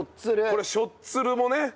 これしょっつるもね。